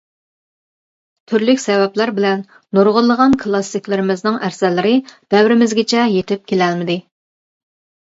تۈرلۈك سەۋەبلەر بىلەن نۇرغۇنلىغان كىلاسسىكلىرىمىزنىڭ ئەسەرلىرى دەۋرىمىزگىچە يېتىپ كېلەلمىدى.